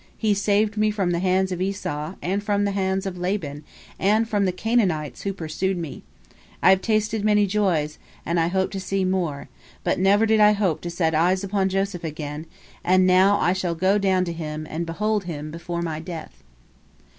He saved me from the hands of Esau, and from the hands of Laban, and from the Canaanites who pursued after me. I have tasted many joys, and I hope to see more, but never did I hope to set eyes upon Joseph again, and now I shall go down to him and behold him before my death."